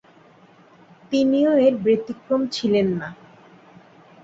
তিনিও এর ব্যতিক্রম ছিলেন না।